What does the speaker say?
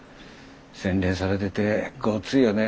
洗練されててゴツいよね。